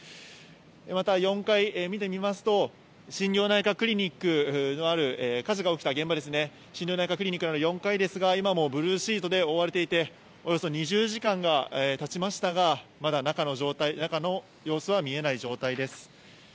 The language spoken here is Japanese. また４階、見てみますと、心療内科クリニックのある火事が起きた現場ですね、心療内科クリニックのある４階ですが、今もブルーシートで覆われていて、およそ２０時間がたちましたが、まだ中の状態、中の様子は見えない状態です。